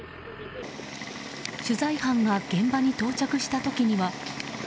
取材班が現場に到着した時には。